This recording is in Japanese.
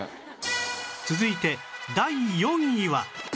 続いて第４位は